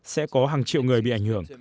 sẽ có hàng triệu người bị ảnh hưởng